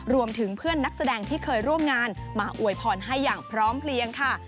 รวมถึงเพื่อนนักแสดงที่เคยร่วมงานมาอวยพรให้อย่างพร้อมเพลียงค่ะ